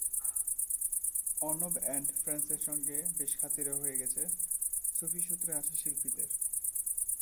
Arnab and ফ্রেন্ডসের সঙ্গে বেশ খাতিরও হয়ে গেছে সুফি সূত্রে আসা শিল্পীদের।